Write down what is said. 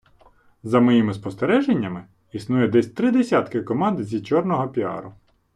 За моїми спостереженнями, існує десь три десятки команд зі чорного піару.